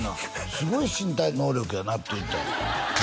「すごい身体能力やな」って言うてたよ